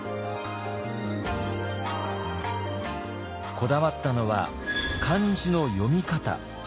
こだわったのは漢字の読み方。